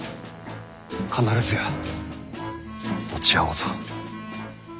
必ずや落ち合おうぞ。